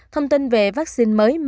thông tin về vắc xin mới mạnh mẽ